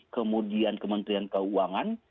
kemudian kementerian keuangan